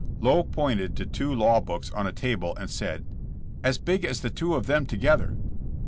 Lowe pointed to two law books on a table and said "As big as the two of them together."